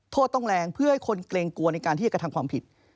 โทษต้องแรงเพื่อให้คนเกลงกัวในการกระทับความผิด